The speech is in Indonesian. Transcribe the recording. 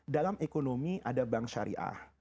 dalam ekonomi ada bank syariah